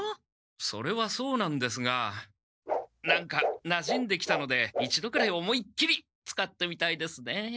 それはそうなんですが何かなじんできたので一度くらい思いっきり使ってみたいですね。